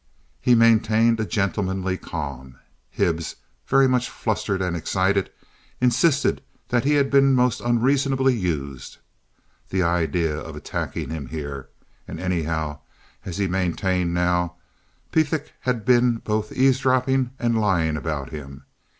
He maintained a gentlemanly calm. Hibbs, very much flustered and excited, insisted that he had been most unreasonably used. The idea of attacking him here. And, anyhow, as he maintained now, Pethick had been both eavesdropping and lying about him.